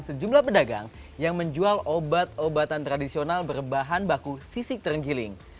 sejumlah pedagang yang menjual obat obatan tradisional berbahan baku sisik terenggiling